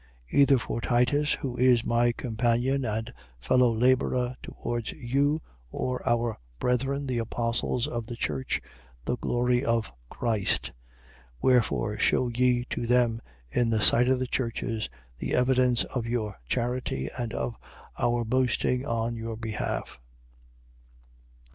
Either for Titus, who is my companion and fellow labourer towards you, or our brethren, the apostles of the churches, the glory of Christ. 8:24. Wherefore shew ye to them, in the sight of the churches, the evidence of your charity and of our boasting on your behalf.